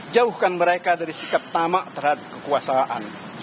jauhkan mereka dari sikap tamak terhadap kekuasaan